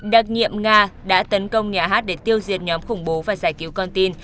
đặc nhiệm nga đã tấn công nhà hát để tiêu diệt nhóm khủng bố và giải cứu con tin